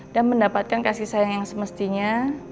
mendapatkan kasih sayang yang semestinya